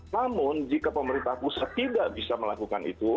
namun jika pemerintah pusat tidak bisa melakukan itu